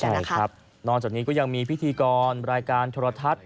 ใช่ครับนอกจากนี้ก็ยังมีพิธีกรรายการโทรทัศน์